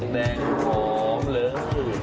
เนินแดงกล่อมเลย